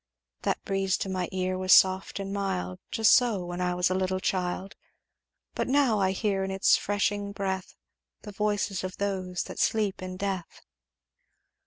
"'That breeze to my ear was soft and mild, Just so, when I was a little child; But now I hear in its freshening breath The voices of those that sleep in death.'